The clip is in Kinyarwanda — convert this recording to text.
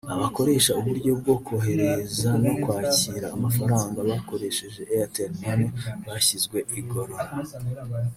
Abakoresha uburyo bwo koherezera no kwakira amafaranga bakoresheje Airtel money bashyizwe igorora